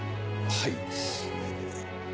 はい。